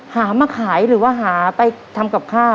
หามาขายหรือว่าหาไปทำกับข้าว